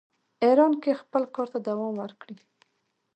ایران کې خپل کار ته دوام ورکړي.